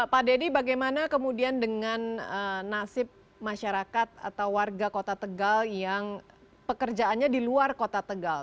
pak deddy bagaimana kemudian dengan nasib masyarakat atau warga kota tegal yang pekerjaannya di luar kota tegal